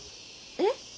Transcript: えっ？